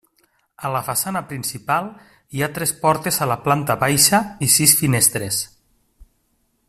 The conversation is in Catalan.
A la façana principal hi ha tres portes a la planta baixa i sis finestres.